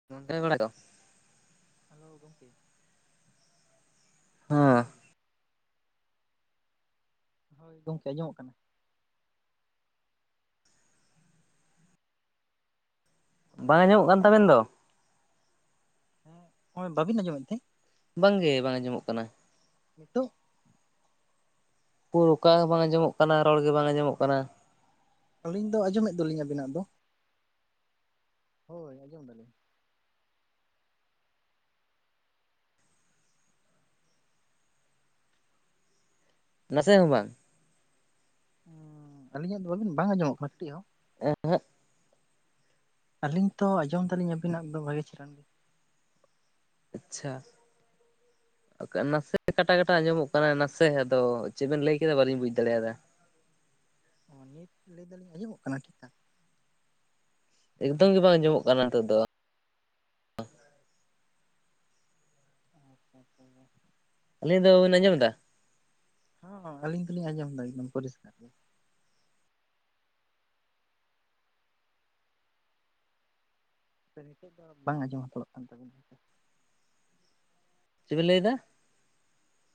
[unintelligible] Hello ᱜᱚᱝᱠᱮ ᱦᱮᱸ ᱟᱸᱡᱚᱢᱫᱟᱵᱤᱱ? ᱦᱳᱭ, ᱜᱚᱝᱠᱮ ᱟᱸᱡᱚᱢᱚᱜ ᱠᱟᱱᱟ᱾ ᱵᱟᱝ ᱟᱸᱡᱚᱢᱚᱜ ᱟᱡᱚᱢᱚᱜ ᱠᱟᱱᱟ᱾ ᱠᱟᱱ ᱛᱟᱵᱮᱱ ᱫᱚ? ᱦᱮᱸ, ᱟᱵᱮᱱ ᱵᱟᱹᱵᱤᱱ ᱟᱸᱡᱚᱢᱮᱫ ᱛᱮ? ᱵᱟᱝᱜᱮ ᱵᱟᱝ ᱟᱸᱡᱚᱢᱚᱜ ᱠᱟᱱᱟ᱾ ᱱᱤᱛᱳᱜ? ᱯᱩᱨ ᱚᱠᱟ ᱵᱟᱝ ᱟᱸᱡᱚᱢᱚᱜ ᱠᱟᱱᱟ, ᱨᱚᱲ ᱜᱮ ᱵᱟᱝ ᱟᱸᱡᱚᱢᱚᱜ ᱠᱟᱱᱟ᱾ ᱟᱹᱞᱤᱧ ᱫᱚ ᱟᱸᱡᱚᱢᱮᱫ ᱫᱚᱞᱤᱧ ᱟᱵᱤᱱᱟᱜ ᱫᱚ᱾ ᱦᱳᱭ, ᱟᱸᱡᱚᱢᱫᱟᱞᱤᱧ᱾ ᱱᱟᱥᱮ ᱦᱚᱸ ᱵᱟᱝ? ᱩᱸᱻ, ᱟᱹᱞᱤᱧᱟᱜ ᱫᱚ ᱵᱤᱱ ᱵᱟᱝ ᱟᱸᱡᱚᱢᱚᱜ ᱠᱟᱱᱟ ᱠᱟᱹᱴᱤᱡ ᱦᱚᱸ? ᱮᱸ ᱦᱮᱸᱜ᱾ ᱟᱹᱞᱤᱧ ᱛᱚ ᱟᱸᱡᱚᱢ ᱫᱟᱹᱞᱤᱧ ᱟᱹᱵᱤᱱᱟᱜ ᱫᱚ ᱵᱷᱟᱹᱜᱤ ᱪᱮᱨᱦᱟ᱾ ᱟᱪᱪᱷᱟ᱾ ᱚᱠᱟ, ᱱᱟᱥᱮ ᱠᱟᱴᱟ ᱠᱟᱴᱟ ᱟᱸᱡᱚᱢᱚᱜ ᱠᱟᱱᱟ ᱱᱟᱥᱮ, ᱟᱫᱚ ᱪᱮᱫ ᱵᱮᱱ ᱞᱟᱹᱭ ᱠᱮᱫᱟ ᱵᱟᱞᱤᱧ ᱵᱩᱡᱽ ᱫᱟᱲᱮᱭᱟᱫᱟ᱾ ᱚᱻ ᱱᱤᱛ ᱞᱟᱹᱭ ᱫᱟᱞᱤᱧ ᱟᱸᱡᱚᱢᱚᱜ ᱠᱟᱱᱟ ᱴᱷᱤᱠᱟ? ᱮᱠᱫᱚᱢ ᱜᱮ ᱵᱟᱝ ᱟᱸᱡᱚᱢᱚᱜ ᱠᱟᱱᱟ ᱱᱤᱛᱚᱜ ᱫᱚ᱾ ᱟᱪᱪᱷᱟ ᱟᱪᱪᱷᱟᱭᱟ᱾ ᱟᱹᱞᱤᱧ ᱫᱚ ᱵᱮᱱ ᱟᱸᱡᱚᱢᱮᱫᱟ? ᱦᱚᱸ ᱟᱹᱞᱤᱧ ᱫᱚᱞᱤᱧ ᱟᱸᱡᱚᱢᱫᱟ ᱮᱠᱫᱚᱢ ᱯᱚᱨᱤᱥᱠᱟᱨ ᱜᱮ᱾ ᱥᱮ ᱱᱤᱛᱳᱜ ᱫᱚ ᱵᱟᱝ ᱟᱸᱡᱚᱢ ᱦᱟᱛᱟᱲᱚᱜ ᱠᱟᱱ ᱛᱟᱵᱤᱱᱟ ᱦᱮᱸ ᱥᱮ᱾ ᱪᱮᱫᱵᱤᱱ ᱞᱟᱹᱭᱫᱟ?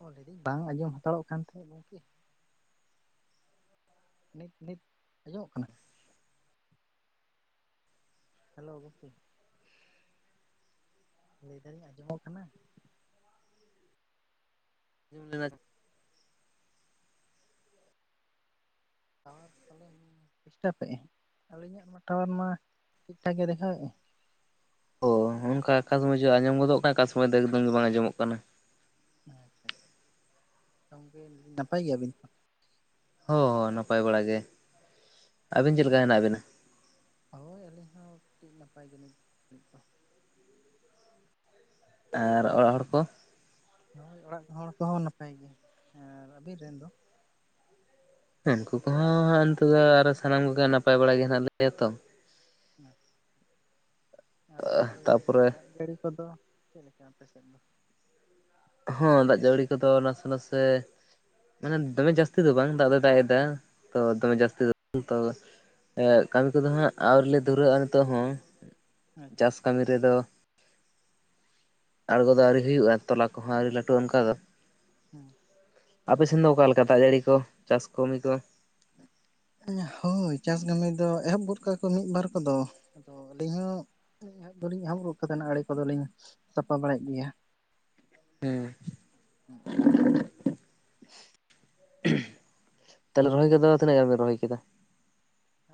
ᱚ ᱞᱟᱹᱭᱫᱟᱹᱧ, ᱵᱟᱝ ᱟᱸᱡᱚᱢ ᱦᱟᱛᱟᱲᱚᱜ ᱠᱟᱱ ᱛᱟᱦᱮᱸᱫ ᱜᱚᱝᱠᱮ᱾ ᱱᱤᱛ ᱱᱤᱛ ᱟᱸᱡᱚᱢᱚᱜ ᱠᱟᱱᱟ? ᱦᱮᱞᱳ ᱜᱚᱝᱠᱮ᱾ ᱞᱟᱹᱭ ᱫᱟᱞᱤᱧ ᱟᱸᱡᱚᱢᱚᱜ ᱠᱟᱱᱟ? [unintelligible] ᱴᱟᱣᱟᱨ ᱯᱟᱞᱮᱱ ᱰᱤᱥᱴᱟᱯᱮᱜ-ᱮ? ᱟᱹᱞᱤᱧᱟᱜ ᱢᱟ ᱴᱟᱣᱟᱨ ᱢᱟ ᱴᱷᱤᱠᱴᱷᱟᱠ ᱜᱮ ᱫᱮᱠᱷᱟᱣᱮᱜ-ᱮ᱾ ᱚ ᱚᱱᱠᱟ ᱟᱠᱟ ᱥᱚᱢᱚᱭ ᱡᱮ ᱟᱸᱡᱚᱢ ᱜᱚᱫᱚᱜ ᱠᱟᱱᱟ ᱟᱠᱟ ᱥᱚᱢᱚᱭ ᱫᱚ ᱮᱠᱫᱚᱢ ᱜᱮ ᱵᱟᱝ ᱟᱸᱡᱚᱢᱚᱜ ᱠᱟᱱᱟ᱾ ᱟᱪᱪᱷᱟ, ᱜᱚᱝᱠᱮ ᱱᱟᱯᱟᱭ ᱜᱮᱭᱟᱵᱤᱱ ᱛᱚ? ᱦᱚᱸ ᱦᱚᱸ ᱱᱟᱯᱟᱭ ᱵᱟᱲᱟ ᱜᱮ᱾ ᱟᱹᱵᱤᱱ ᱪᱮᱫ ᱞᱮᱠᱟ ᱦᱮᱱᱟᱜ ᱵᱮᱱᱟ? ᱦᱳᱭ, ᱟᱹᱞᱤᱧ ᱦᱚᱸ ᱠᱟᱹᱴᱤᱡ ᱱᱟᱯᱟᱭ ᱜᱮᱞᱤᱧ ᱱᱤᱛ ᱫᱚ᱾ ᱟᱨ ᱚᱲᱟᱜ ᱦᱚᱲ ᱠᱚ? ᱦᱳᱭ, ᱚᱲᱟᱜ ᱦᱚᱲ ᱠᱚᱦᱚᱸ ᱱᱟᱯᱟᱭ ᱜᱮ, ᱟᱨ ᱟᱹᱵᱤᱱ ᱨᱮᱱ ᱫᱚ? ᱩᱱᱠᱩ ᱠᱚᱦᱚᱸ ᱤᱱᱠᱟᱹ ᱜᱮ, ᱟᱨ ᱥᱟᱱᱟᱢ ᱠᱚᱜᱮ ᱱᱟᱯᱟᱭ ᱵᱟᱲᱟ ᱜᱮ ᱦᱮᱱᱟᱜ ᱞᱮᱭᱟ ᱛᱚ᱾ ᱦᱮᱸ᱾ ᱟᱨ ᱜᱚᱝᱠᱮ ᱛᱟᱯᱚᱨᱮ ᱫᱟᱜ ᱡᱟᱹᱲᱤ ᱠᱚᱫᱚ ᱪᱮᱫ ᱞᱮᱠᱟ ᱟᱯᱮ ᱥᱮᱫ ᱫᱚ? ᱦᱚᱸ ᱫᱟᱜ ᱡᱟᱹᱲᱤ ᱠᱚᱫᱚ ᱱᱟᱥᱮ ᱱᱟᱥᱮ ᱢᱟᱱᱮ ᱫᱚᱢᱮ ᱡᱟᱹᱥᱛᱤ ᱫᱚ ᱵᱟᱝ, ᱫᱟᱜ ᱫᱚᱭ ᱫᱟᱜ ᱮᱫᱟ ᱛᱚ ᱫᱚᱢᱮ ᱡᱟᱹᱥᱛᱤ ᱫᱚ ᱵᱟᱝ ᱛᱚ᱾ ᱮᱸᱜ, ᱠᱟᱹᱢᱤ ᱠᱚᱫᱚ ᱦᱟᱸᱜ ᱟᱹᱣᱨᱤᱞᱮ ᱫᱷᱩᱨᱟᱹᱜ-ᱟ ᱱᱤᱛᱳᱜ ᱦᱚᱸ ᱟᱪᱪᱷᱟ ᱪᱟᱥ ᱟᱪᱪᱷᱟ ᱠᱟᱹᱢᱤ ᱨᱮᱫᱚ᱾ ᱟᱬᱜᱚ ᱫᱚ ᱟᱹᱣᱨᱤ ᱦᱩᱭᱩᱜ-ᱟ ᱛᱚᱞᱟ ᱠᱚᱦᱚᱸ ᱟᱹᱣᱨᱤ ᱞᱟᱹᱴᱩᱜ-ᱟ ᱚᱱᱠᱟ ᱫᱚ᱾ ᱦᱩᱸ᱾ ᱟᱯᱮ ᱥᱮᱱ ᱫᱚ ᱚᱠᱟᱞᱮᱠᱟ ᱫᱟᱜ ᱡᱟᱹᱲᱤ ᱠᱚ, ᱪᱟᱥ ᱠᱟᱹᱢᱤ ᱠᱚ? ᱮᱸ, ᱦᱳᱭ ᱪᱟᱥ ᱠᱟᱹᱢᱤ ᱫᱚ ᱮᱦᱚᱵ ᱜᱚᱫ ᱠᱟᱜ-ᱟᱠᱚ ᱢᱤᱫ ᱵᱟᱨ ᱠᱚᱫᱚ᱾ ᱟᱫᱚ ᱟᱹᱞᱤᱧ ᱦᱚᱸ ᱮᱦᱚᱵ ᱫᱚᱞᱤᱧ ᱮᱦᱚᱵ ᱜᱚᱫ ᱠᱟᱫᱟ, ᱚᱱᱟ ᱟᱲᱮ ᱠᱚᱫᱚᱞᱤᱧ ᱥᱟᱯᱟ ᱵᱟᱲᱟᱭᱮᱫ ᱜᱮᱭᱟ᱾ ᱦᱮᱸ ᱛᱟᱦᱚᱞᱮ ᱨᱚᱦᱚᱭ ᱠᱚᱫᱚ ᱛᱤᱱᱟᱹᱜ ᱜᱟᱱ ᱵᱮᱱ ᱨᱚᱦᱚᱭ ᱠᱮᱫᱟ?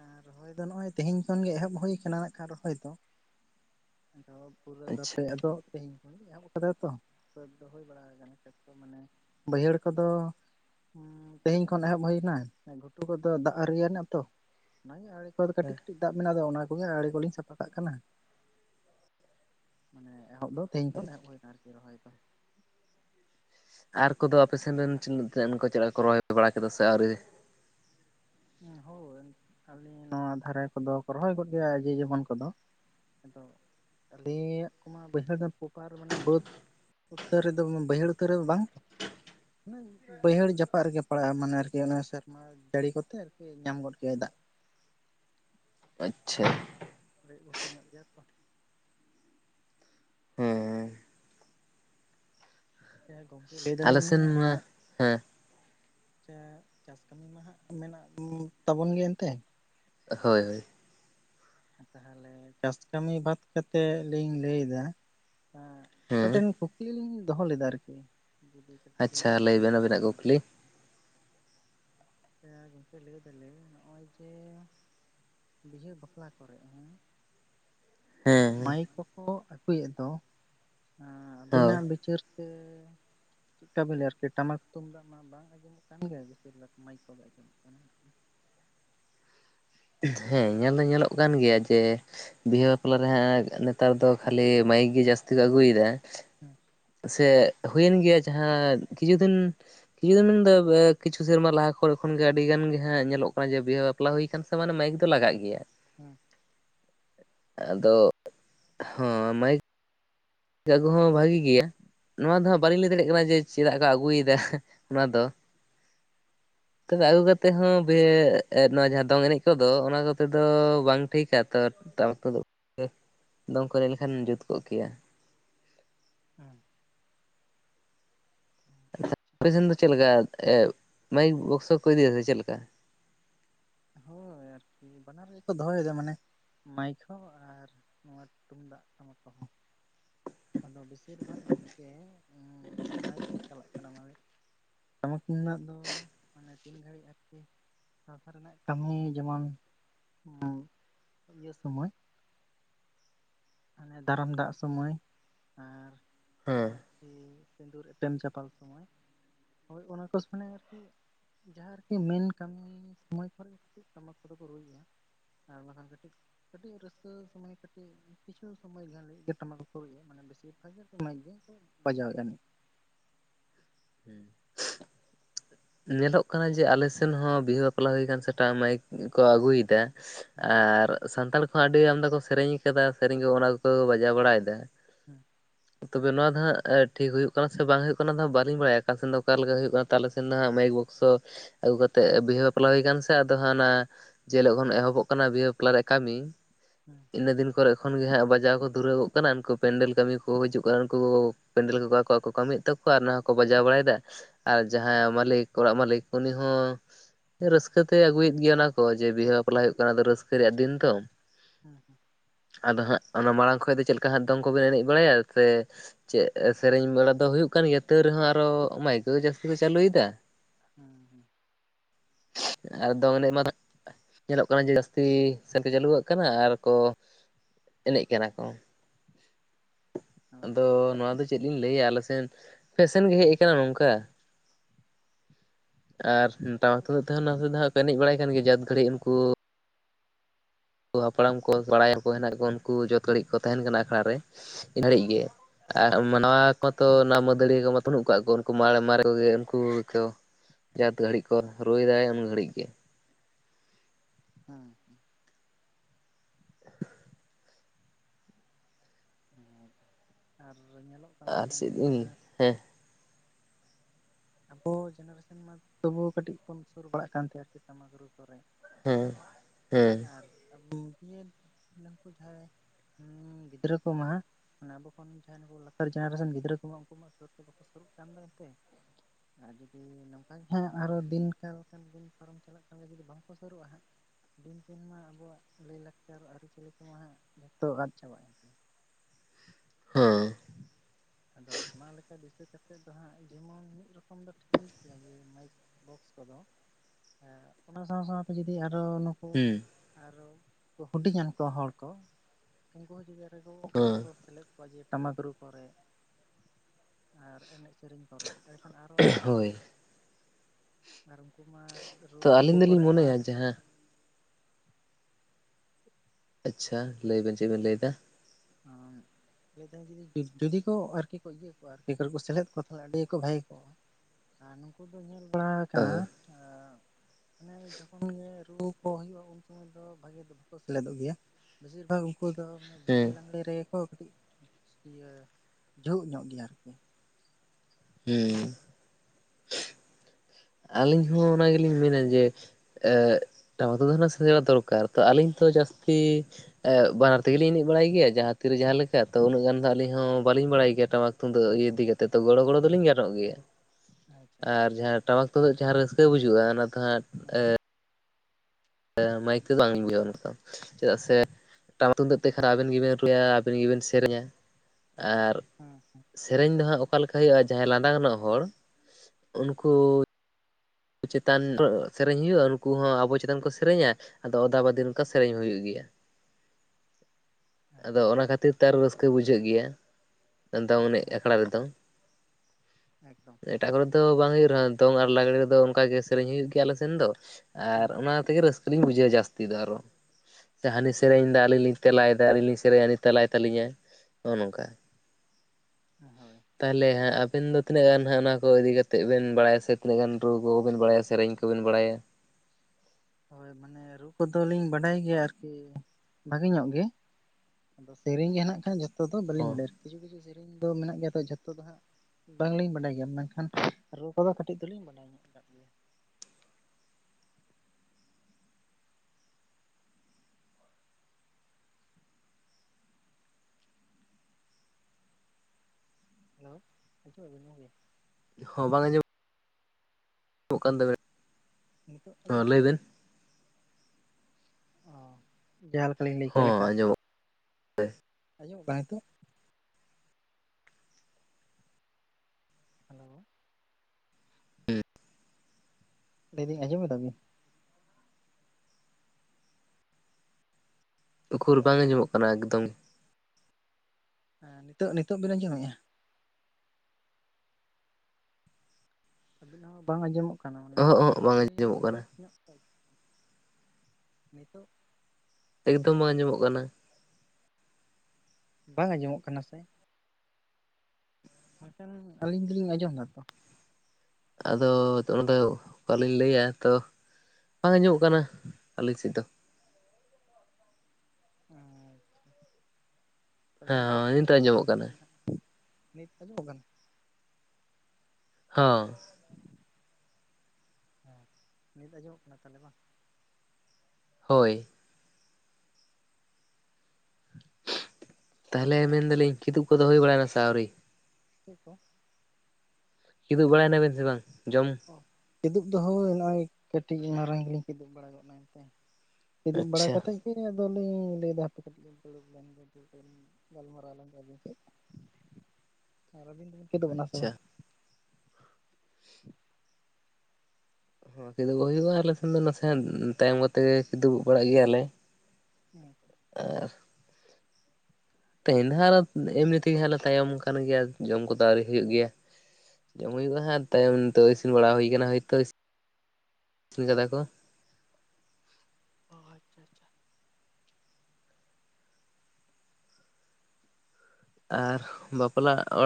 ᱟᱨ ᱨᱚᱦᱚᱭ ᱫᱚ ᱱᱚᱜᱼᱚᱭ ᱛᱮᱦᱮᱧ ᱠᱷᱚᱱᱜᱮ ᱮᱦᱚᱵ ᱦᱩᱭ ᱠᱟᱱᱟ ᱢᱮᱜᱠᱷᱟᱱ ᱨᱚᱦᱚᱭ ᱫᱚ᱾ ᱟᱫᱚ, ᱯᱩᱨᱟᱹᱣ ᱟᱪᱪᱷᱟ ᱫᱚᱯᱮ ᱟᱫᱚ ᱛᱮᱦᱮᱧ ᱠᱷᱚᱱ ᱜᱮ ᱮᱦᱚᱵ ᱟᱠᱟᱫᱟ ᱛᱚ ᱫᱚ [unintelligible] ᱫᱚ ᱦᱩᱭ ᱵᱟᱲᱟ ᱟᱠᱟᱱ [unintelligible] ᱠᱷᱮᱛ ᱠᱚ ᱢᱟᱱᱮ ᱵᱟᱹᱭᱦᱟᱹᱲ ᱠᱚᱫᱚ, ᱩᱸ ᱛᱮᱦᱮᱧ ᱠᱷᱚᱱ ᱮᱦᱚᱵ ᱦᱩᱭ ᱱᱟ ᱜᱷᱩᱴᱩ ᱠᱚᱫᱚ ᱫᱟᱜᱽ [unintelligible] ᱛᱚ, ᱚᱱᱟᱜᱮ ᱟᱲᱮ ᱯᱚᱲ ᱠᱚ ᱫᱚ ᱠᱟᱹᱴᱤᱜ ᱠᱟᱹᱴᱤᱜ ᱫᱟᱜᱽ ᱢᱮᱱᱟᱜ ᱫᱚ ᱚᱱᱟ ᱠᱚᱜᱮ ᱟᱲᱮ ᱠᱚᱞᱤᱧ ᱥᱟᱯᱷᱟ ᱠᱟᱜ ᱠᱟᱱᱟ ᱢᱟᱱᱮ ᱮᱦᱚᱵ ᱫᱚ ᱛᱮᱦᱤᱧ ᱠᱷᱚᱱ ᱮᱦᱚᱵ ᱦᱩᱭᱱᱟ ᱟᱨᱠᱤ ᱨᱚᱦᱚᱭ ᱫᱚ᱾ ᱟᱨ ᱠᱚᱫᱚ ᱟᱯᱮ ᱥᱮᱱ ᱨᱮᱱ [unintelligible] [unintelligible] ᱪᱮᱫ ᱞᱮᱠᱟ ᱠᱚ ᱨᱚᱦᱚᱭ ᱵᱟᱲᱟ ᱠᱮᱫᱟ ᱥᱮ ᱟᱹᱣᱨᱤ? ᱦᱳᱭ ᱟᱞᱮ ᱱᱚᱣᱟ ᱫᱷᱟᱨᱮ ᱠᱚᱫᱚ ᱠᱚ ᱨᱚᱦᱚᱭ ᱜᱚᱫ ᱜᱮᱭᱟ ᱡᱮ ᱡᱮᱢᱚᱱ ᱠᱚᱫᱚ, ᱫᱚ ᱟᱹᱞᱮᱭᱟᱜ ᱠᱚᱢᱟ ᱵᱟᱹᱭᱦᱟᱹᱲ [unintelligible] ᱢᱟᱱᱮ ᱵᱟᱹᱫᱽ ᱩᱛᱟᱹᱨ ᱨᱮᱫᱚ ᱵᱟᱹᱭᱦᱟᱹᱲ ᱩᱛᱟᱹᱨ ᱨᱮᱫᱚ ᱵᱟᱝ᱾ ᱢᱟᱱᱮ ᱵᱟᱹᱭᱦᱟᱹᱲ ᱡᱟᱯᱟᱜ ᱨᱮᱜᱮ ᱯᱟᱲᱟᱜᱼᱟ ᱢᱟᱱᱮ ᱟᱨᱠᱤ ᱚᱱᱮ ᱥᱮᱨᱢᱟ ᱡᱟᱹᱲᱤ ᱠᱚᱛᱮ ᱟᱨᱠᱤ ᱧᱟᱢ ᱜᱚᱫ ᱠᱮᱭᱟᱭ ᱫᱟᱜᱽ᱾ ᱟᱪᱪᱷᱟ, ᱨᱮᱜ ᱜᱷᱩᱴᱩ ᱧᱚᱜ ᱜᱮᱭᱟ ᱠᱚ, ᱦᱮᱸ ᱥᱮᱜᱚᱢ ᱟᱞᱮ ᱥᱮᱱ ᱢᱟ ᱦᱮᱸ ᱮᱸ ᱪᱟᱥ ᱠᱟᱹᱢᱤ ᱢᱟ ᱦᱟᱸᱜ ᱢᱮᱱᱟᱜ ᱢᱮ ᱛᱟᱵᱚᱱ ᱜᱮ ᱮᱱᱛᱮ, ᱦᱳᱭ ᱦᱳᱭ᱾ ᱛᱟᱦᱚᱞᱮ ᱪᱟᱥ ᱠᱟᱹᱢᱤ ᱵᱟᱫ ᱠᱟᱛᱮᱜ ᱞᱤᱧ ᱞᱟᱹᱭᱫᱟ ᱮᱸ ᱦᱮᱸ ᱢᱮᱴᱮᱱ ᱠᱩᱠᱞᱤ ᱞᱤᱧ ᱫᱚᱦᱚ ᱞᱮᱫᱟ ᱟᱨᱠᱤ ᱡᱚᱫᱤ ᱟᱪᱪᱷᱟ ᱞᱟᱹᱭ ᱵᱮᱱ ᱟᱵᱤᱱᱟᱜ ᱠᱩᱠᱞᱤ? ᱟᱪᱪᱷᱟ ᱜᱚᱝᱠᱮ ᱞᱟᱹᱭ ᱫᱟᱞᱤᱧ ᱱᱚᱜᱼᱚᱭ ᱡᱮ ᱵᱤᱦᱟᱹ ᱵᱟ ᱵᱟᱯᱞᱟ ᱠᱚᱨᱮ ᱦᱮᱸ ᱱᱚᱜᱼᱚᱭ ᱡᱮ ᱦᱮᱸ ᱢᱟᱹᱭᱤᱠ ᱠᱚᱠᱚ ᱟᱹᱜᱩᱭᱮᱫ ᱫᱚ ᱟᱸ ᱦᱚ ᱟᱵᱤᱱᱟᱜ ᱵᱤᱪᱟᱹᱨ ᱥᱮ ᱪᱮᱫᱠᱟ ᱵᱮᱱ ᱞᱟᱹᱭᱟ ᱟᱨᱠᱤ ᱴᱟᱢᱟᱠ ᱛᱩᱢᱫᱟᱜ ᱢᱟ ᱵᱟᱝ ᱟᱸᱡᱚᱢᱚᱜ ᱠᱟᱱ ᱜᱮᱭᱟ ᱵᱮᱥᱤᱨᱵᱷᱟᱜ ᱢᱟᱹᱭᱤᱠ ᱠᱚᱜᱮ ᱟᱸᱡᱚᱢᱚᱜ ᱠᱟᱱᱟ ᱦᱮᱸ? ᱦᱮᱸ ᱧᱮᱞ ᱫᱚ ᱧᱮᱞᱚᱜ ᱠᱟᱱ ᱜᱮᱭᱟ ᱡᱮ, ᱵᱤᱦᱟᱹ ᱵᱟᱯᱞᱟ ᱨᱮᱦᱚᱸ ᱱᱮᱛᱟᱨ ᱫᱚ ᱠᱷᱟᱹᱞᱤ ᱢᱟᱹᱭᱤᱠ ᱜᱮ ᱡᱟᱹᱥᱛᱤ ᱠᱚ ᱟᱹᱜᱩᱭᱮᱫᱟ᱾ ᱦᱮᱸ ᱛᱮ ᱦᱩᱭᱮᱱ ᱜᱮᱭᱟ ᱡᱟᱦᱟᱸ ᱠᱤᱪᱷᱩ ᱫᱤᱱ ᱠᱤᱪᱷᱩ ᱫᱤᱱ ᱢᱮᱱᱫᱚ ᱮᱸ ᱠᱤᱪᱷᱩ ᱥᱮᱨᱢᱟ ᱞᱟᱦᱟ ᱠᱚᱨᱮ ᱠᱷᱚᱱ ᱜᱮ ᱟᱹᱰᱤ ᱜᱟᱱ ᱜᱮ ᱦᱟᱸᱜ ᱧᱮᱞᱚᱜ ᱠᱟᱱᱟ ᱡᱮ ᱵᱤᱦᱟᱹ ᱵᱟᱯᱞᱟ ᱦᱩᱭ ᱠᱟᱱᱟ᱾ ᱟᱫᱚ ᱢᱟᱱᱮ ᱢᱟᱭᱮᱠ ᱫᱚ ᱞᱟᱜᱟᱜ ᱜᱮᱭᱟ᱾ ᱦᱮᱸ ᱟᱫᱚ ᱦᱚᱸ ᱢᱟᱭᱮᱠ ᱡᱟᱹᱜᱩ ᱦᱚᱸ ᱵᱷᱟᱹᱜᱤ ᱜᱮᱭᱟ᱾ ᱱᱚᱣᱟ ᱫᱚ ᱦᱟᱸᱜ ᱵᱟᱹᱞᱤᱧ ᱞᱟᱹᱭ ᱫᱟᱲᱮᱭᱟᱜ ᱠᱟᱱᱟ ᱡᱮ ᱪᱮᱫᱟᱜ ᱠᱚ ᱟᱹᱜᱩᱭᱮᱫᱟ ᱦᱟᱸ ᱱᱚᱣᱟ ᱫᱚ? [inaudible] ᱛᱚᱵᱮ ᱟᱹᱜᱩ ᱠᱟᱛᱮᱜ ᱦᱚᱸ ᱵᱮ ᱱᱚᱣᱟ ᱡᱟᱦᱟᱸ ᱫᱚᱝ ᱮᱱᱮᱜ ᱠᱩᱫᱚ ᱚᱱᱟ ᱠᱚᱛᱮ ᱫᱚ ᱵᱟᱝ ᱴᱷᱤᱠᱟ ᱛᱚ, ᱴᱟᱢᱟᱠ ᱠᱚ ᱜᱚᱜ ᱠᱟᱛᱮᱜ ᱫᱚᱝ ᱠᱚ ᱮᱱᱮᱜ ᱞᱮᱱ ᱞᱮᱠᱷᱟᱱ ᱡᱩᱛ ᱠᱚᱜ ᱠᱮᱭᱟ᱾ ᱦᱮᱸ, ᱟᱪᱪᱷᱟ ᱟᱯᱮ ᱟᱪᱪᱷᱟ ᱥᱮᱱ ᱫᱚ ᱪᱮᱫ ᱞᱮᱠᱟ ᱮ ᱢᱟᱭᱮᱠ ᱵᱚᱠᱥᱚ ᱠᱚ ᱤᱫᱤᱭᱟ ᱥᱮ ᱪᱮᱫ ᱞᱮᱠᱟ? ᱦᱳᱭ ᱟᱨᱠᱤ ᱵᱟᱱᱟᱨ ᱨᱮᱜᱮ ᱠᱚ ᱫᱚᱦᱚᱭᱮᱫᱟ ᱢᱟᱱᱮ ᱢᱟᱭᱮᱠ ᱦᱚᱸ ᱟᱨ ᱱᱚᱭᱟ ᱛᱩᱢᱫᱟᱜ ᱴᱟᱢᱟᱠ ᱠᱚᱦᱚᱸ᱾ ᱟᱫᱚ ᱵᱮᱥᱤᱨ ᱵᱷᱟᱜᱽ ᱜᱮ ᱚᱸ ᱢᱟᱭᱤᱠ ᱜᱮ ᱪᱟᱞᱟᱜ ᱠᱟᱱᱟ ᱢᱟᱱᱮ ᱴᱟᱢᱟᱠ ᱛᱩᱢᱫᱟᱜ ᱫᱚ ᱢᱟᱱᱮ ᱛᱤᱱ ᱜᱷᱟᱹᱲᱤᱡ ᱦᱩᱸ ᱦᱟᱸᱠ [unintelligible] ᱨᱮᱱᱟᱜ ᱠᱟᱹᱢᱤ ᱡᱮᱢᱚᱱ ᱩᱸ ᱤᱭᱟᱹ ᱥᱚᱢᱚᱭ ᱢᱟᱱᱮ ᱫᱟᱨᱟᱢ ᱫᱟᱜ ᱥᱚᱢᱚᱭ ᱾ ᱟᱨ ᱦᱮᱸ ᱱᱟᱹᱥᱤ ᱥᱤᱸᱫᱩᱨ ᱮᱯᱮᱢ ᱪᱟᱯᱟᱞ ᱥᱚᱢᱚᱭ, ᱦᱳᱭ ᱚᱱᱟ ᱠᱚᱥ ᱢᱟᱱᱮ ᱟᱨᱠᱤ ᱡᱟᱦᱟᱸ ᱟᱨᱠᱤ ᱢᱮᱱ ᱠᱟᱹᱢᱤ ᱥᱚᱢᱚᱭ ᱠᱚᱨᱮ ᱠᱟᱹᱴᱤᱡ ᱴᱟᱢᱟᱠ ᱠᱚᱫᱚ ᱠᱩ ᱨᱩᱭ ᱜᱮᱭᱟ ᱾ ᱟᱨ ᱚᱱᱟ ᱠᱷᱟᱱ ᱠᱟᱹᱴᱤᱡ, ᱠᱟᱹᱴᱤᱡ ᱨᱟᱹᱥᱠᱟᱹ ᱥᱚᱢᱚᱭ ᱠᱟᱹᱴᱤᱡ ᱠᱤᱪᱷᱩ ᱥᱚᱢᱚᱭ ᱜᱟᱱ ᱞᱟᱹᱜᱤᱫ ᱜᱮ ᱴᱟᱢᱟᱠ ᱫᱚᱠᱚ ᱨᱩᱭᱟ ᱾ ᱢᱟᱱᱮ ᱵᱮᱥᱤᱨ ᱵᱷᱟᱜᱽ ᱜᱮᱠᱚ ᱢᱟᱭᱮᱠ ᱜᱮᱠᱚ ᱵᱟᱡᱟᱣᱮᱫᱼᱟ ᱱᱤᱡ ᱾ ᱦᱩᱸ ᱾ ᱧᱮᱞᱚᱜ ᱠᱟᱱᱟ ᱡᱮ ᱟᱞᱮ ᱥᱮᱱ ᱦᱚᱸ ᱵᱤᱦᱟᱹ ᱵᱟᱯᱞᱟ ᱦᱩᱭ ᱟᱠᱟᱱ ᱥᱮ ᱴᱟᱜ ᱢᱟᱭᱮᱠ ᱠᱚ ᱟᱹᱜᱩᱭᱮᱫᱟ ᱦᱮᱸ ᱾ ᱦᱮᱸ ᱟᱨ ᱥᱟᱱᱛᱟᱲ ᱠᱚᱦᱚᱸ ᱟᱹᱰᱤ ᱟᱢᱫᱟ ᱠᱚ ᱥᱮᱨᱮᱧ ᱟᱠᱟᱫᱟ ᱥᱮᱨᱮᱧ ᱠᱚ ᱚᱱᱟ ᱠᱚᱠᱚ ᱵᱟᱡᱟᱣ ᱵᱟᱲᱟᱭᱮᱫᱟ ᱾ ᱦᱩᱸ ᱾ ᱛᱚᱵᱮ ᱱᱚᱣᱟ ᱫᱚ ᱦᱟᱸᱜ ᱮᱸ ᱴᱷᱤᱠ ᱦᱩᱭᱩᱜ ᱠᱟᱱᱟ ᱥᱮ ᱵᱟᱝ ᱦᱩᱭᱩᱜ ᱠᱟᱱᱟ ᱵᱟᱹᱞᱤᱧ ᱵᱟᱲᱟᱭᱟ ᱚᱠᱟ ᱥᱮᱫ ᱫᱚ ᱚᱠᱟ ᱞᱮᱠᱟ ᱦᱩᱭᱩᱜ ᱠᱟᱱᱟ ᱾ ᱛᱟᱦᱞᱮ ᱥᱮᱱ ᱫᱚ ᱦᱟᱸᱜ ᱢᱟᱭᱮᱠ ᱵᱚᱠᱥᱚ ᱟᱹᱜᱩ ᱠᱟᱛᱮᱜ ᱵᱤᱦᱟᱹ ᱵᱟᱯᱞᱟ ᱦᱩᱭ ᱠᱟᱱᱟ ᱥᱮ ᱟᱫᱚ ᱦᱟᱸᱜ ᱚᱱᱟ ᱡᱮ ᱦᱤᱞᱳᱜ ᱠᱷᱚᱱ ᱮᱦᱚᱵᱚᱜ ᱠᱟᱱᱟ ᱵᱤᱦᱟᱹ ᱵᱟᱯᱞᱟ ᱨᱮᱭᱟᱜ ᱠᱟᱹᱢᱤ ᱾ ᱦᱩᱸ ᱾ ᱤᱱᱟᱹ ᱫᱤᱱ ᱠᱚᱨᱮ ᱠᱷᱚᱱ ᱜᱮ ᱦᱟᱸᱜ ᱵᱟᱡᱟᱣ ᱠᱚ ᱫᱷᱩᱨᱟᱹᱣᱚᱜ ᱠᱟᱱᱟ ᱩᱱᱠᱩ ᱯᱮᱱᱰᱮᱞ ᱠᱟᱹᱢᱤ ᱩᱝᱠᱩ ᱦᱤᱡᱩᱜ ᱠᱟᱱᱟ ᱩᱱᱠᱩ ᱯᱮᱱᱰᱮᱞ ᱠᱚᱠᱚ ᱟᱠᱚᱣᱟᱜ ᱠᱚ ᱠᱟᱹᱢᱤᱭᱮᱫ ᱛᱟᱹᱠᱩᱣᱟ ᱟᱨ ᱚᱱᱟ ᱦᱚᱸᱠᱚ ᱵᱟᱡᱟᱣ ᱵᱟᱲᱟᱮᱫᱟ ᱾ ᱟᱨ ᱡᱟᱦᱟᱸ ᱢᱟᱹᱞᱤᱠ ᱚᱲᱟᱜ ᱢᱟᱹᱞᱤᱠ ᱩᱱᱤ ᱦᱚᱸ ᱨᱟᱹᱥᱠᱟᱹ ᱛᱮ ᱟᱹᱜᱩᱭᱮᱫ ᱜᱮᱭᱟ ᱚᱱᱟ ᱠᱚ ᱡᱮ ᱵᱤᱦᱟᱹ ᱵᱟᱯᱞᱟ ᱦᱩᱭᱩᱜ ᱠᱟᱱᱟ ᱨᱟᱹᱥᱠᱟᱹ ᱨᱮᱭᱟᱜ ᱫᱤᱱ ᱛᱚ ᱾ ᱦᱩᱸ ᱦᱩᱸ ᱾ ᱟᱫᱚ ᱦᱟᱸᱜ ᱚᱱᱟ ᱢᱟᱲᱟᱝ ᱠᱷᱚᱡ ᱫᱚ ᱪᱮᱫ ᱞᱮᱠᱟ ᱦᱟᱸᱜ ᱫᱚᱝ ᱠᱚᱵᱤᱱ ᱮᱱᱮᱡ ᱵᱟᱲᱟᱭᱟ ᱥᱮ ᱪᱮᱫ ᱥᱮᱨᱮᱧ ᱵᱟᱲᱟ ᱫᱚ ᱦᱩᱭᱩᱜ ᱠᱟᱱ ᱜᱮᱭᱟ ᱛᱟᱹᱣ ᱨᱮᱦᱚᱸ ᱟᱨᱚ ᱢᱟᱭᱤᱠ ᱠᱚᱜᱮ ᱡᱟᱹᱥᱛᱤ ᱠᱚ ᱪᱟᱹᱞᱩᱭᱮᱫᱟ ᱾ ᱦᱩᱸ ᱦᱩᱸ ᱾ ᱟᱨ ᱫᱚᱝ ᱮᱱᱮᱡ ᱢᱟ ᱦᱟᱸᱜ ᱧᱮᱞᱚᱜ ᱠᱟᱱᱟ ᱡᱮ ᱡᱟᱹᱥᱛᱤ ᱥᱮᱱ ᱠᱚ ᱪᱟᱹᱞᱩ ᱠᱟᱜ ᱠᱟᱱᱟ ᱟᱨ ᱠᱚ ᱮᱱᱮᱡ ᱠᱟᱱᱟ ᱠᱚ ᱾ ᱦᱳᱭ ᱟᱫᱚ ᱦᱳᱭ ᱱᱚᱣᱟ ᱫᱚ ᱪᱮᱫ ᱞᱤᱧ ᱞᱟᱹᱭᱟ ᱟᱞᱮ ᱥᱮᱱ ᱯᱷᱮᱥᱮᱱ ᱜᱮ ᱦᱮᱡ ᱟᱠᱟᱱᱟ ᱠᱟᱱᱟ ᱱᱚᱝᱠᱟ ᱾ ᱟᱨ ᱴᱟᱢᱟᱠ ᱛᱩᱱᱫᱟᱜ ᱛᱮᱦᱚᱸ ᱱᱟᱥᱮ ᱫᱚ ᱦᱟᱸᱜ ᱠᱚ ᱮᱱᱮᱡ ᱵᱟᱲᱟᱭ ᱠᱟᱱ ᱜᱮᱭᱟ ᱡᱟᱛ ᱜᱷᱟᱹᱲᱤᱡ ᱩᱱᱠᱩ ᱦᱟᱯᱲᱟᱢ ᱠᱚ ᱵᱟᱲᱟᱭᱟᱠᱚ ᱦᱮᱱᱟᱜ ᱠᱚᱣᱟ ᱩᱱᱠᱩ ᱡᱚᱛ ᱜᱷᱟᱹᱲᱤᱡ ᱠᱚ ᱛᱟᱦᱮᱱ ᱠᱟᱱᱟ ᱟᱠᱷᱲᱟ ᱨᱮ ᱜᱷᱟᱹᱲᱤᱡ ᱜᱮ, ᱟᱨ ᱢᱟᱱᱟᱣᱟ ᱠᱚ ᱛᱚ ᱦᱮᱸ ᱱᱚᱣᱟ ᱢᱟᱹᱫᱟᱹᱲᱤᱭᱟᱹ ᱠᱚᱢᱟ ᱵᱟᱹᱱᱩᱜ ᱟᱠᱟᱫ ᱠᱚᱣᱟ ᱩᱱᱠᱩ ᱢᱟᱲ ᱢᱟᱨᱮ ᱠᱚᱜᱮ ᱩᱱᱠᱩ ᱜᱮᱠᱚ ᱡᱟᱛ ᱜᱷᱟᱹᱲᱤᱡ ᱠᱚ ᱨᱩᱭᱫᱟᱭ ᱩᱱ ᱜᱷᱟᱹᱲᱤᱡ ᱜᱮ ᱾ ᱦᱩᱸ ᱦᱩᱸ ᱾ ᱦᱩᱸ ᱟᱨ ᱧᱮᱞᱚᱜ ᱠᱟᱱᱟ ᱟᱨ ᱪᱮᱫᱟᱜ ᱥᱮᱫ ᱤᱧ ᱱᱤᱭᱟᱹ ᱦᱮᱸ ᱾ ᱟᱵᱚ ᱡᱮᱱᱮᱨᱮᱥᱚᱱ ᱢᱟ ᱛᱚᱵᱩ ᱠᱟᱹᱴᱤᱡ ᱵᱚᱱ ᱥᱩᱨ ᱵᱟᱲᱟᱜ ᱠᱟᱱ ᱛᱟᱦᱮᱸ ᱟᱨᱠᱤ ᱴᱟᱢᱟᱠ ᱨᱩ ᱠᱚᱨᱮ ᱾ ᱦᱮᱸ ᱾ ᱟᱨ ᱟᱹᱵᱩ [unintelligible] ᱡᱟᱦᱟᱸ ᱮᱸ ᱩᱸ ᱜᱤᱫᱽᱨᱟᱹ ᱠᱩᱢᱟ ᱚᱱᱮ ᱟᱹᱵᱩ ᱠᱷᱚᱱ ᱡᱟᱦᱟᱭ ᱱᱩᱠᱩ ᱟᱹᱵᱩ ᱞᱟᱛᱟᱨ ᱡᱮᱱᱮᱨᱮᱥᱚᱱ ᱜᱤᱫᱽᱨᱟᱹ ᱠᱩᱢᱟ ᱩᱝᱠᱩ ᱢᱟ ᱥᱩᱨ ᱜᱮ ᱵᱟᱠᱚ ᱥᱩᱨᱩᱜ ᱠᱟᱱ ᱫᱚ ᱮᱱᱛᱮᱜ ᱾ ᱟᱨ ᱡᱩᱫᱤ ᱱᱚᱝᱠᱟ ᱜᱮ ᱦᱟᱸᱜ ᱟᱨᱚ ᱫᱤᱱ ᱠᱟᱞ [unintelligible] ᱫᱤᱱ ᱯᱟᱨᱚᱢ ᱪᱟᱞᱟᱜ ᱠᱷᱟᱱ ᱡᱩᱫᱤ ᱵᱟᱝ ᱠᱚ ᱥᱳᱨᱳᱜ-ᱟ ᱦᱟᱸᱜ! ᱫᱤᱱ ᱫᱤᱱᱢᱟ ᱟᱵᱚᱣᱟᱜ ᱞᱟᱹᱭ ᱞᱟᱠᱪᱟᱨ ᱟᱹᱨᱤᱪᱟᱹᱞᱤ ᱠᱚᱢᱟ ᱦᱟᱸᱜ ᱡᱚᱛᱚ ᱟᱫ ᱪᱟᱵᱟᱜᱼᱟ ᱮᱱᱛᱮ ᱾ ᱦᱮᱸ ᱾ ᱟᱫᱚ ᱚᱱᱟ ᱞᱮᱠᱟ ᱫᱤᱥᱟᱹ ᱠᱟᱛᱮᱫ ᱫᱚ ᱦᱟᱸᱜ ᱡᱮᱢᱚᱱ ᱢᱤᱫ ᱨᱚᱠᱚᱢ ᱫᱚ ᱴᱷᱤᱠ ᱚᱱᱟ ᱜᱮ ᱢᱟᱭᱤᱠ ᱵᱚᱠᱥ ᱠᱚᱫᱚ ᱚᱱᱟ ᱥᱟᱶ ᱥᱟᱶᱛᱮ ᱡᱩᱫᱤ ᱟᱨᱚᱼᱼ ᱚᱷ ᱦᱩᱸ ᱟᱨᱚ ᱦᱩᱰᱤᱧᱟᱱ ᱠᱚᱣᱟ ᱦᱚᱲ ᱠᱚ ᱩᱱᱠᱩ ᱦᱚᱸ ᱡᱩᱫᱤᱼᱼ ᱩᱱᱠᱩ ᱠᱚ ᱠᱟᱹᱴᱤᱡ ᱠᱚ ᱦᱮᱸ ᱥᱮᱞᱮᱫ ᱠᱚᱣᱟ ᱡᱮ ᱴᱟᱢᱟᱠ ᱨᱩ ᱠᱚᱨᱮᱼᱼ ᱟᱨ ᱮᱱᱮᱡ ᱥᱮᱨᱮᱧ ᱠᱚᱨᱮᱜ ᱮᱸ ᱮᱠᱷᱟᱱ ᱟᱨᱚ ᱟᱹᱰᱤ ᱱᱟᱯᱟᱭ ᱦᱳᱭ ᱠᱚᱜᱼᱟ᱾ ᱟᱨ ᱩᱱᱠᱩ ᱢᱟ ᱨᱩ ᱛᱚ ᱟᱹᱞᱤᱧ ᱫᱚᱞᱤᱧ ᱠᱚᱨᱮᱜ ᱢᱟᱼᱼ ᱢᱚᱱᱮᱭᱟ ᱡᱟᱦᱟᱸ ᱟᱪᱪᱷᱟ ᱞᱟᱹᱭ ᱵᱮᱱ ᱪᱮᱜ ᱵᱮᱱ ᱞᱟᱹᱭ ᱮᱫᱟ? ᱦᱟᱸᱣᱩᱸᱜ ᱞᱟᱹᱭ ᱫᱟᱧ ᱡᱩᱫᱤ-ᱡᱩᱫᱤ ᱠᱚ ᱟᱨᱠᱤ ᱠᱚ ᱤᱭᱟᱹ ᱠᱚᱣᱟ ᱟᱨᱠᱤ ᱠᱚᱨᱮ ᱠᱚ ᱥᱮᱞᱮᱫ ᱠᱚᱣᱟ ᱛᱟᱦᱞᱮ ᱟᱹᱰᱤ ᱜᱮᱠᱚ ᱵᱷᱟᱜᱮ ᱠᱚᱜᱼᱟ᱾ ᱟᱨ ᱱᱩᱠᱩ ᱫᱚ ᱧᱮᱞ ᱵᱟᱲᱟ ᱚ ᱟᱠᱟᱱᱟ᱾ ᱟᱻ ᱢᱟᱱᱮ ᱡᱚᱠᱷᱚᱱ ᱜᱮ ᱨᱩ ᱠᱚ ᱦᱩᱭᱩᱜᱼᱟ ᱩᱱ ᱥᱚᱢᱚᱭ ᱫᱚᱼᱼ ᱵᱷᱟᱜᱤ ᱫᱚ ᱵᱟᱠᱚ ᱥᱮᱞᱮᱫᱚᱜ ᱜᱮᱭᱟ ᱵᱮᱥᱤᱨ ᱵᱷᱟᱜᱽᱼᱼ ᱩᱱᱠᱩ ᱫᱚ ᱢᱟᱱᱮ ᱰᱤᱡᱮ ᱦᱮᱸ ᱞᱟᱜᱽᱲᱮ ᱨᱮᱜᱮ ᱠᱚ ᱠᱟᱹᱴᱤᱡ ᱤᱭᱟᱹ ᱡᱷᱳᱜ ᱧᱚᱜ ᱜᱮᱭᱟ ᱟᱨᱠᱤ᱾ ᱦᱩᱸᱻ ᱟᱞᱤᱧ ᱦᱚᱸ ᱚᱱᱟ ᱜᱮᱞᱤᱧ ᱢᱮᱱᱟ ᱡᱮᱼᱼ ᱮ ᱻᱜ ᱴᱟᱢᱟᱠ ᱨᱩ ᱫᱚ ᱦᱩᱱᱟ ᱥᱮᱲᱟ ᱫᱚᱨᱠᱟ᱾ᱛᱚ ᱟᱹᱞᱤᱧ ᱛᱚ ᱡᱟᱹᱥᱛᱤᱼᱼ ᱮᱜ ᱵᱟᱱᱟᱨ ᱛᱮᱜᱮ ᱞᱤᱧ ᱮᱱᱮᱡ ᱵᱟᱲᱟᱭ ᱜᱮᱭᱟ ᱡᱟᱦᱟᱸ ᱛᱤ ᱨᱮ ᱡᱟᱦᱟᱸᱞᱮᱠᱟ ᱛᱚ ᱩᱱᱟᱹᱜ ᱜᱟᱱ ᱫᱚ ᱟᱹᱞᱤᱧ ᱦᱚᱸ ᱵᱟᱹᱞᱤᱧ ᱵᱟᱲᱟᱭ ᱜᱮᱭᱟ ᱴᱟᱢᱟᱠᱼᱼ ᱛᱩᱝᱫᱟᱹ ᱤᱫᱤ ᱠᱟᱛᱮ ᱛᱚ ᱜᱚᱲᱚ - ᱜᱚᱲᱚ ᱫᱚ ᱞᱤᱧ ᱜᱟᱱᱚᱜ ᱜᱮᱭᱟ᱾ ᱟᱪᱪᱷᱟ ᱟᱨ ᱡᱟᱦᱟᱸ ᱴᱟᱢᱟᱠ ᱛᱩᱸᱫᱟᱜ ᱡᱟᱦᱟᱸ ᱨᱟᱹᱥᱠᱟᱹᱭ ᱵᱩᱡᱷᱩᱣᱟ ᱚᱱᱟ ᱫᱚ ᱦᱟᱸᱜ ᱦᱮᱸ ᱮᱫᱼᱼ ᱢᱟᱭᱤᱠ ᱛᱮ ᱵᱟᱝ [unintelligible] ᱪᱮᱫᱟᱜ ᱥᱮᱼᱼ ᱴᱟᱢᱟᱠ ᱛᱩᱢᱫᱟᱹᱜ ᱛᱮᱠᱷᱟᱱ ᱟᱵᱤᱱ ᱜᱮᱵᱮᱱ ᱨᱩᱭᱟ ᱟᱹᱵᱤᱱ ᱜᱮᱵᱤᱱ ᱥᱮᱨᱮᱧᱟ᱾ ᱟᱨᱼᱼ ᱦᱩᱸ ᱦᱩᱸ ᱥᱮᱨᱮᱧ ᱫᱚ ᱦᱟᱸᱜ ᱚᱠᱟ ᱞᱮᱠᱟ ᱦᱩᱭᱩᱜᱼᱟ ᱡᱟᱦᱟᱸᱭ ᱞᱟᱸᱫᱟ ᱜᱟᱱᱚᱜ ᱦᱚᱲ ᱩᱱᱠᱩᱼᱼ ᱪᱮᱛᱟᱱᱱ ᱨᱚ ᱥᱮᱨᱮᱧ ᱦᱩᱭᱩᱜᱼᱟ ᱩᱱᱠᱩ ᱦᱚᱸ ᱟᱵᱚ ᱪᱮᱛᱟᱱ ᱠᱚ ᱥᱮᱨᱮᱧᱟᱼᱼ ᱟᱫᱚ ᱚᱫᱟ ᱵᱟᱫᱤ ᱚᱱᱠᱟ ᱥᱮᱨᱮᱧ ᱦᱩᱭᱩᱜ ᱜᱮᱭᱟ᱾ [inaudible] ᱟᱫᱚ ᱟᱪᱪᱷᱟ ᱚᱱᱟ ᱠᱷᱟᱹᱛᱤᱨ ᱛᱮ ᱟᱨᱚ ᱨᱟᱹᱥᱠᱟᱹ ᱵᱩᱡᱷᱟᱹᱜ ᱜᱮᱭᱟ᱾ ᱫᱚᱝ ᱮᱱᱮᱜ ᱦᱮᱸ ᱟᱠᱷᱲᱟ ᱨᱮᱫᱚᱸᱼᱼ ᱮᱠᱫᱚᱢ ᱮᱴᱟᱜ ᱠᱚᱨᱮ ᱫᱚ ᱵᱟᱝ ᱦᱩᱭᱩᱜ ᱨᱮᱦᱚᱸ ᱫᱚᱝ ᱟᱨ ᱞᱟᱜᱽᱲᱮ ᱨᱮᱫᱚ ᱚᱱᱠᱟᱜᱮ ᱥᱮᱨᱮᱧ ᱦᱩᱭᱩᱜ ᱜᱮᱭᱟ ᱟᱞᱮ ᱥᱮᱱ ᱫᱚᱼᱼ ᱟᱨᱻ ᱚᱱᱟ ᱛᱮᱜᱮ ᱨᱟᱹᱥᱠᱟᱹ ᱞᱤᱧ ᱵᱩᱡᱷᱟᱹ ᱡᱟᱥᱛᱤ ᱫᱚ ᱟᱨᱚ᱾ ᱥᱮ ᱦᱟᱹᱱᱤ ᱥᱮᱨᱮᱧ ᱫᱟ ᱟᱹᱞᱤᱧ ᱞᱤᱧ ᱛᱮᱟᱞᱟᱭᱮᱫᱟ ᱟᱹᱞᱤᱧ ᱞᱤᱧ ᱥᱮᱨᱮᱧᱟ ᱦᱟᱱᱤ ᱛᱮᱟᱞᱟᱭ ᱛᱟᱞᱤᱧᱟ ᱱᱚᱜᱼᱚ ᱱᱚᱝᱠᱟ᱾ ᱦᱳᱭ ᱛᱟᱦᱞᱮ ᱦᱟᱸᱜ ᱟᱵᱱ ᱫᱚ ᱛᱤᱱᱟᱹᱜ ᱜᱟᱱ ᱦᱟᱸᱜ ᱚᱱᱟ ᱠᱚ ᱤᱫᱤ ᱠᱟᱛᱮᱜ ᱵᱮᱱ ᱵᱟᱲᱟᱭᱟ ᱥᱮ ᱛᱤᱱᱟᱹᱜ ᱜᱟᱱᱼᱼ ᱨᱩ ᱠᱚᱦᱚᱸ ᱵᱤᱱ ᱵᱟᱲᱟᱭᱟ ᱥᱮᱨᱮᱧ ᱠᱚᱵᱮᱱ ᱵᱟᱲᱟᱭᱟ? ᱦᱳᱭ ᱢᱟᱱᱮ ᱨᱩ ᱠᱚᱫᱚ ᱞᱤᱧ ᱵᱟᱰᱟᱭ ᱜᱮᱭᱟ ᱟᱨᱠᱤᱻ ᱵᱷᱟᱜᱤ ᱧᱚᱜ ᱜᱮ᱾ ᱟᱫᱚ ᱥᱮᱨᱮᱧ ᱜᱮ ᱦᱮᱱᱟᱜ ᱠᱷᱟᱱ ᱡᱷᱚᱛᱚ ᱫᱚ ᱵᱟᱹᱞᱤᱧ ᱦᱚᱸ ᱵᱟᱲᱟᱭᱟ ᱠᱤᱪᱷᱩ - ᱠᱤᱪᱷᱩ ᱥᱮᱨᱮᱧ ᱫᱚ ᱢᱮᱱᱟᱜ ᱜᱮᱭᱟ ᱛᱚ ᱡᱷᱚᱛᱚ ᱫᱚ ᱦᱟᱸᱜᱼᱼ ᱵᱟᱝ ᱞᱤᱧ ᱵᱟᱰᱟᱭ ᱜᱮᱭᱟ ᱢᱮᱱᱠᱷᱟᱱ ᱨᱩ ᱠᱚᱫᱚ ᱠᱟᱹᱴᱤᱡ ᱫᱚᱞᱤᱧ ᱵᱟᱰᱟᱭ ᱧᱚᱜ ᱠᱟᱫ ᱜᱮᱭᱟ᱾ ᱦᱮᱞᱳ ᱦᱟᱪᱩᱜ ᱟᱵᱤᱱ ᱢᱩᱦᱞᱤ ᱦᱚᱸ ᱵᱟᱝ ᱟᱸᱡᱚᱼᱼ [unintelligible] ᱱᱤᱛᱚᱜ ᱦᱚᱸ ᱟᱸᱡᱚᱢᱚᱜ ᱞᱟᱹᱭ ᱠᱟᱱᱟ? ᱵᱮᱱ ᱚᱻ ᱡᱟᱦᱟᱸᱞᱮᱠᱟ ᱞᱤᱧ ᱞᱟᱹᱭ ᱠᱮᱜ ᱦᱚᱸ ᱞᱮᱠᱟ ᱟᱨᱠᱤ ᱟᱸᱡᱚᱢ ᱟᱸᱡᱚᱢ ᱠᱟᱱᱟ ᱱᱤᱛᱚᱜ? ᱦᱮᱞᱳᱼᱼ ᱦᱩᱸ ᱞᱟᱹᱭ ᱮᱫᱟᱹᱧ ᱟᱸᱡᱚᱢᱮᱫᱟᱵᱤᱱ? ᱩᱠᱩᱨ ᱵᱟᱝ ᱟᱸᱡᱚᱢᱚᱜ ᱠᱟᱱᱟ ᱮᱠᱫᱚᱢ ᱾ ᱟᱸ ᱱᱤᱛᱚᱜ ᱱᱤᱛᱚᱜ ᱵᱤᱱ ᱟᱸᱡᱚᱢᱮᱜᱼᱟ? ᱟᱹᱵᱤᱱᱟᱜ ᱦᱚᱸ ᱵᱟᱝ ᱟᱸᱡᱚᱢᱚᱜ ᱠᱟᱱᱟ ᱮᱸ ᱢᱟᱱᱮ ᱚᱦᱚᱜ ᱚᱦᱚᱜ ᱵᱟᱝ ᱟᱹᱰᱤ ᱟᱸᱡᱚᱢᱚᱜ ᱠᱟᱱᱟ ᱞᱮᱴ ᱧᱚᱜ ᱛᱮ ᱱᱤᱛᱚᱜ? ᱮᱠᱫᱚᱢ ᱵᱟᱝ ᱟᱸᱡᱚᱢᱚᱜ ᱠᱟᱱᱟ ᱾ ᱵᱟᱝ ᱟᱸᱡᱚᱢᱚᱜ ᱠᱟᱱᱟ ᱥᱮ, ᱢᱮᱱᱠᱷᱟᱱ ᱟᱹᱞᱤᱧ ᱫᱩ ᱞᱤᱧ ᱟᱸᱡᱚᱢᱮᱜ ᱟᱛᱚ ᱾ ᱟᱫᱚ ᱛᱚᱱᱚ [unintelligible] ᱵᱟᱹᱞᱤᱧ ᱞᱟᱹᱭᱟ ᱛᱚ ᱵᱟᱝ ᱟᱸᱡᱚᱢᱚᱜ ᱠᱟᱱᱟ ᱟᱹᱞᱤᱧ ᱥᱮᱫ ᱫᱚ ᱾ ᱟᱪᱪᱷᱟ ᱱᱤᱭᱟᱹ ᱫᱚ ᱦᱮᱸ ᱱᱤᱛᱚᱜ ᱟᱸᱡᱚᱢᱚᱜ ᱠᱟᱱᱟ [unintelligible] ᱾ ᱱᱤᱛ ᱟᱹᱡᱚᱢᱚᱜ ᱠᱟᱱᱟ [unintelligible] ᱦᱚᱸ ᱾ [inaudible] ᱦᱮᱸ ᱱᱤᱛ ᱟᱸᱡᱚᱢᱚᱜ ᱠᱟᱱᱟ ᱛᱟᱞᱦᱮ ᱵᱟᱝ ᱾ ᱦᱚᱭ ᱾ ᱛᱟᱦᱞᱮ ᱢᱮᱱ ᱫᱟ ᱞᱤᱧ ᱠᱤᱫᱩᱵ ᱠᱚᱫᱚ ᱦᱩᱭ ᱵᱟᱲᱟᱭᱱᱟ ᱥᱮ ᱟᱹᱣᱨᱤ? ᱪᱮᱫ ᱠᱚ? ᱠᱤᱫᱩᱵ ᱵᱟᱲᱟᱭ ᱱᱟᱵᱮᱱ ᱥᱮ ᱵᱟᱝ ᱡᱚᱢᱼᱼ ᱚ ᱠᱤᱫᱩᱵ ᱫᱚ ᱦᱳᱭ ᱱᱚᱜᱼᱚᱭ ᱠᱟᱹᱴᱤᱡ ᱢᱟᱬᱟᱝ ᱜᱮᱞᱤᱧ ᱠᱤᱫᱩᱵ ᱵᱟᱲᱟ ᱜᱚᱫ ᱱᱟ ᱮᱱᱛᱮ ᱾ ᱠᱤᱫᱩᱵ ᱵᱟᱲᱟ ᱟᱪᱪᱷᱟ ᱠᱟᱛᱮᱫ ᱜᱮ ᱟᱫᱚᱞᱤᱧ ᱞᱟᱹᱭᱫᱟ ᱦᱟᱯᱮ ᱠᱟᱴᱤᱡ ᱞᱤᱧ ᱫᱩᱲᱩᱵ [unintelligible] ᱜᱟᱞᱢᱟᱨᱟᱣ ᱞᱮᱱ ᱟᱹᱵᱤᱱ ᱥᱮᱫ, ᱟᱨ ᱟᱹᱵᱤᱱ ᱫᱩᱵᱤᱱ ᱠᱤᱫᱩᱵ ᱮᱱᱟ ᱥᱮ ᱟᱪᱪᱷᱟ ᱵᱟᱝ? [unintelligible] ᱦᱚᱸ ᱠᱤᱫᱩᱵᱚᱜ ᱦᱩᱭᱩᱜᱼᱟ ᱟᱞᱮ ᱥᱮᱱ ᱫᱚ ᱱᱟᱥᱮᱱ, ᱛᱟᱭᱚᱢ ᱠᱟᱛᱮ ᱜᱮ ᱠᱤᱫᱩᱵᱚᱜ ᱵᱟᱲᱟᱜ ᱜᱮᱭᱟᱞᱮ ᱾ [unintelligible] ᱚᱦ [unintelligible] ᱛᱮᱦᱮᱧ ᱫᱚ ᱦᱟᱸᱜ ᱟᱨ ᱫᱚ ᱮᱢᱱᱤ ᱛᱮ ᱜᱮ ᱦᱟᱸᱜ ᱞᱮ ᱛᱟᱭᱚᱢ ᱠᱟᱱ ᱜᱮᱭᱟ ᱡᱚᱢ ᱠᱚᱫᱚ ᱟᱹᱣᱨᱤ ᱦᱩᱭᱩᱜ ᱜᱮᱭᱟ ᱾ ᱡᱚᱢ ᱦᱩᱭᱩᱜᱼᱟ ᱦᱟᱸᱜ ᱛᱟᱭᱚᱢ ᱱᱤᱛᱚᱜ ᱤᱥᱤᱱ ᱵᱟᱲᱟ ᱦᱩᱭ ᱠᱟᱱᱟ, ᱦᱳᱭᱛᱳ [inaudible] ᱤᱥᱤᱱ ᱠᱟᱫᱟ ᱠᱚ ᱾ ᱚ ᱟᱪᱪᱷᱟ ᱟᱪᱪᱷᱟ [inaudible] ᱟᱨ ᱵᱟᱯᱞᱟ ᱚᱲ